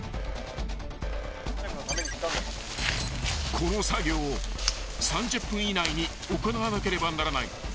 ［この作業を３０分以内に行わなければならない］